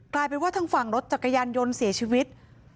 กลายเป็นว่าทางฝั่งรถจักรยานยนต์เสียชีวิต